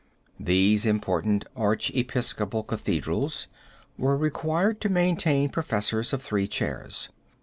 These important Archiepiscopal cathedrals were required to maintain professors of three chairs.